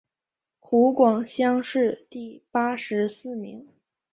湖广乡试第八十四名。